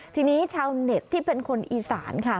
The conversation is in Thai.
ทีนี้ชาวเน็ตที่เป็นคนอีสานค่ะ